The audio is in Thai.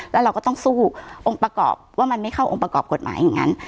แล้วเราก็ต้องสู้องค์ประกอบว่ามันไม่เข้าองค์ประกอบกฎหมายอย่างนั้น